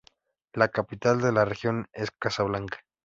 La capital de la región es Casablanca.